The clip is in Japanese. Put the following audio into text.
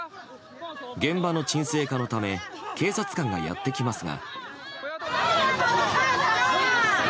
現場の鎮静化のため警察官がやってきますが。